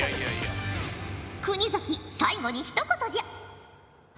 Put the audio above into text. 国崎最後にひと言じゃ。